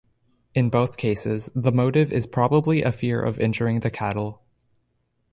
In both cases, the motive is probably a fear of injuring the cattle.